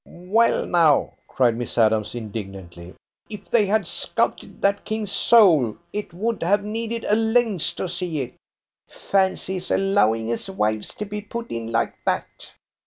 "Well, now!" cried Miss Adams indignantly. "If they had sculpted that King's soul it would have needed a lens to see it. Fancy his allowing his wives to be put in like that."